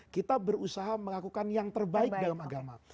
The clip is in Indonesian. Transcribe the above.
kita berusaha melakukan yang terbaik dalam agama